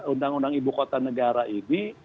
undang undang ibu kota negara ini